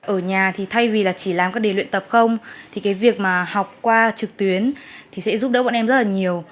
ở nhà thì thay vì là chỉ làm các đề luyện tập không thì cái việc mà học qua trực tuyến thì sẽ giúp đỡ bọn em rất là nhiều